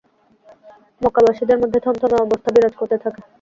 মক্কাবাসীদের মধ্যে থমথমে অবস্থা বিরাজ করতে থাকে।